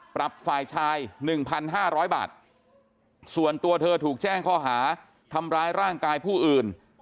ฝ่ายชาย๑๕๐๐บาทส่วนตัวเธอถูกแจ้งข้อหาทำร้ายร่างกายผู้อื่น